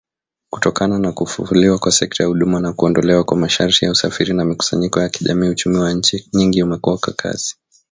Kutokana na kufufuliwa kwa sekta ya huduma na kuondolewa kwa masharti ya usafiri na mikusanyiko ya kijamii uchumi wa nchi nyingi umekuwa kwa kasi.